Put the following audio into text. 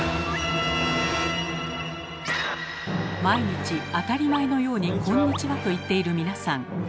毎日当たり前のように「こんにちは」と言っている皆さん。